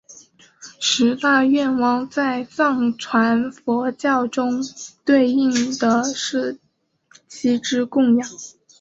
十大愿王在藏传佛教中对应的是七支供养。